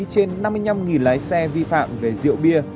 trên năm mươi năm lái xe vi phạm về rượu bia